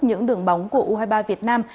những đường bóng của u hai mươi ba việt nam